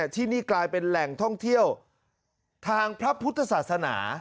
ที่นี่กลายเป็นแหล่งท่องเที่ยวทางพระพุทธศาสนา